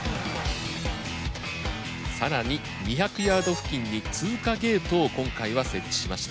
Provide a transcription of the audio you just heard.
更に２００ヤード付近に通過ゲートを今回は設置しました。